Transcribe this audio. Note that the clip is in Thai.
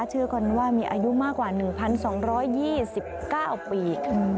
เชื่อกันว่ามีอายุมากกว่า๑๒๒๙ปี